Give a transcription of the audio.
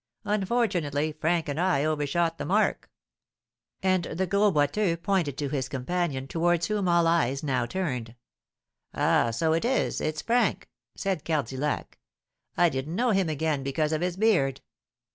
Unfortunately, Frank and I overshot the mark." And the Gros Boiteux pointed to his companion, towards whom all eyes now turned. "Ah, so it is it's Frank!" said Cardillac; "I didn't know him again because of his beard.